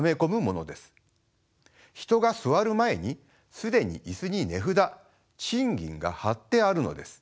人が座る前に既に椅子に値札賃金が貼ってあるのです。